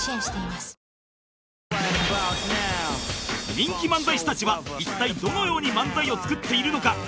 人気漫才師たちは一体どのように漫才を作っているのか？